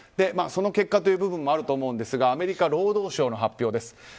その結果という部分もあると思うんですがアメリカ労働省の発表です。